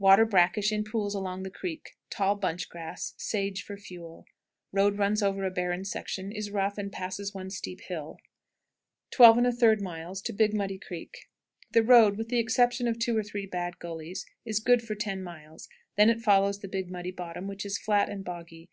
Water brackish in pools along the creek; tall bunch grass; sage for fuel. Road runs over a barren section, is rough, and passes one steep hill. 12 1/3. Big Muddy Creek. The road, with the exception of two or three bad gullies, is good for ten miles; it then follows the Big Muddy bottom, which is flat and boggy.